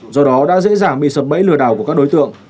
do đó đã dễ dàng bị sập bẫy lừa đảo của các đối tượng